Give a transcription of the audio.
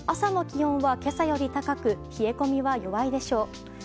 朝の気温は今朝より高く冷え込みは弱いでしょう。